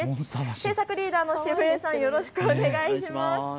製作リーダーの渋江さん、よろしくお願いします。